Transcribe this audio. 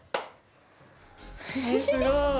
すごい。